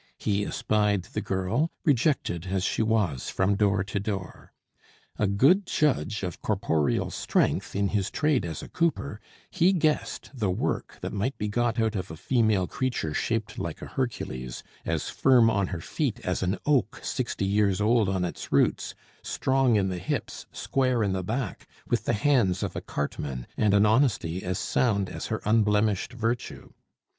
He espied the girl, rejected as she was from door to door. A good judge of corporeal strength in his trade as a cooper, he guessed the work that might be got out of a female creature shaped like a Hercules, as firm on her feet as an oak sixty years old on its roots, strong in the hips, square in the back, with the hands of a cartman and an honesty as sound as her unblemished virtue.